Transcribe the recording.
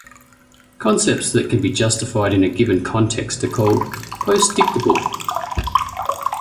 Concepts that can be justified in a given context are called postdictable.